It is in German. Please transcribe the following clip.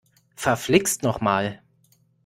Verflixt noch mal!